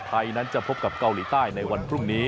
ไทยนั้นจะพบกับเกาหลีใต้ในวันพรุ่งนี้